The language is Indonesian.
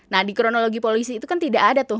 nah di kronologi polisi itu kan tidak ada tuh